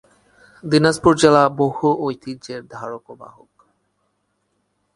Dinajpur Zilla School বহু ঐতিহ্যের ধারক ও বাহক।